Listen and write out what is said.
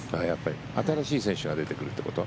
新しい選手が出てくるってこと？